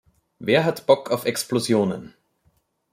Wer hat Bock auf Explosionen?